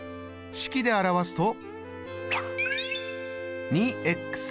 式で表すと。